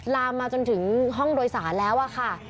ลามมาจนถึงห้องโดยสารแล้วอะค่ะ